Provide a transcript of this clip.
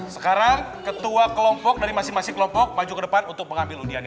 sekarang ketua kelompok dari masing masing kelompok maju ke depan untuk mengambil undiannya